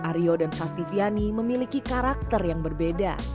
ario dan sastiviani memiliki karakter yang berbeda